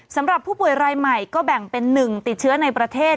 สำหรับผู้ป่วยรายใหม่ก็แบ่งเป็น๑ติดเชื้อในประเทศ